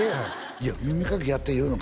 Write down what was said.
いや耳かきやって言うの？